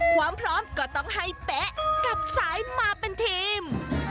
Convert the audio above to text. ความพร้อมก็ต้องให้เป๊ะกับสายมาเป็นทีม